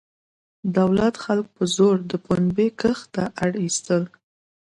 دولت خلک په زور د پنبې کښت ته اړ ایستل.